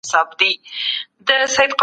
د نوې ميرمني قسم هم تفصيلي بحث لري.